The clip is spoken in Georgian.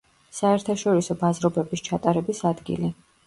საერთაშორისო ბაზრობების ჩატარების ადგილი.